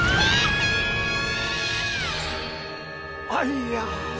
あいや！